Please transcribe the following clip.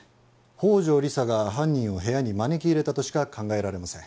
宝城理沙が犯人を部屋に招き入れたとしか考えられません。